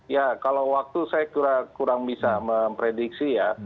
ya kalau waktu saya kurang bisa memprediksi ya